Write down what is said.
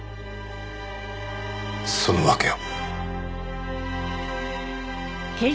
その訳を。